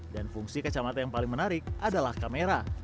dan fungsi kacamata yang paling menarik adalah kamera